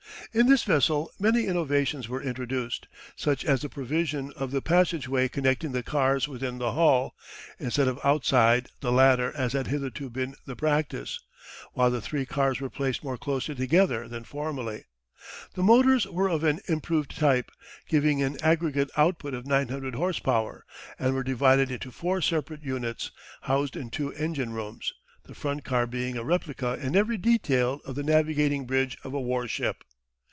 In this vessel many innovations were introduced, such as the provision of the passage way connecting the cars within the hull, instead of outside the latter as had hitherto been the practice, while the three cars were placed more closely together than formerly. The motors were of an improved type, giving an aggregate output of 900 horse power, and were divided into four separate units, housed in two engine rooms, the front car being a replica in every detail of the navigating bridge of a warship.